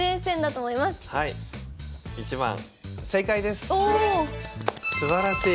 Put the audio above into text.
すばらしい！